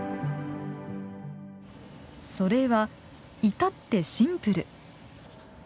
それは、いたってシンプル。